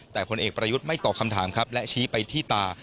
แต่ผลเอกประยุทธ์ไม่ตอบคำถามครับและชี้ไปที่ตา